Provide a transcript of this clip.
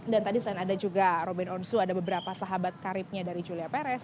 dan tadi selain ada juga ruben onsu ada beberapa sahabat karibnya dari julia perez